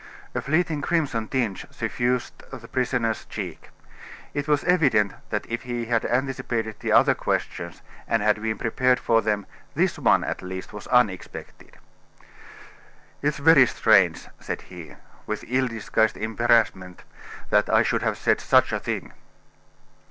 A fleeting crimson tinge suffused the prisoner's cheek. It was evident that if he had anticipated the other questions, and had been prepared for them, this one, at least, was unexpected. "It's very strange," said he, with ill disguised embarrassment, "that I should have said such a thing!"